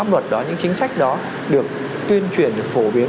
pháp luật đó những chính sách đó được tuyên truyền được phổ biến